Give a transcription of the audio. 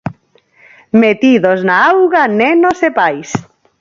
Metidos na auga nenos e pais.